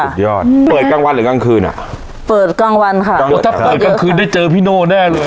สุดยอดเปิดกลางวันหรือกลางคืนอ่ะเปิดกลางวันค่ะเดี๋ยวถ้าเปิดกลางคืนได้เจอพี่โน่แน่เลย